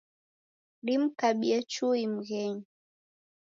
Dimkabie chui mghenyu.